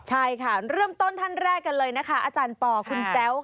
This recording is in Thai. ใช่ค่ะเริ่มต้นท่านแรกกันเลยนะคะอาจารย์ปอคุณแจ้ว